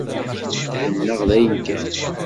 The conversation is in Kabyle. Thennaɣ dayen kan.